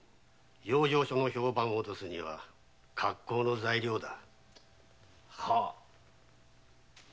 養生所の評判を落とすには格好の材料だ。